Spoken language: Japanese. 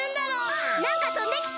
あっなんかとんできた！